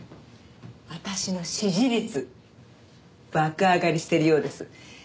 私の支持率爆上がりしてるようです。